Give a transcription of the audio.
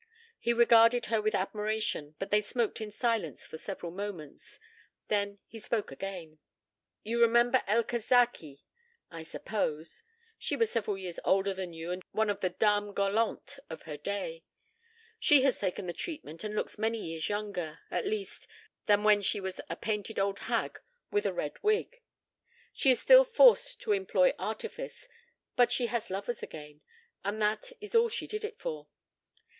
He regarded her with admiration but they smoked in silence for several moments. Then he spoke again. "You remember Elka Zsáky, I suppose? She was several years older than you and one of the dames galantes of her day. She has taken the treatment and looks many years younger, at least, than when she was a painted old hag with a red wig. She is still forced to employ artifice, but she has lovers again, and that is all she did it for.